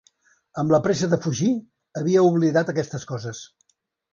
Amb la pressa de fugir, havia oblidat aquestes coses.